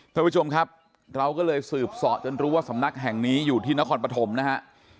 ท่านผู้ชมครับเราก็เลยสืบเสาะจนรู้ว่าสำนักแห่งนี้อยู่ที่นครปฐมนะฮะ